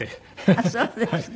あっそうですか。